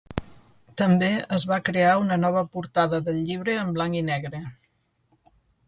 També es va crear una nova portada del llibre en blanc i negre.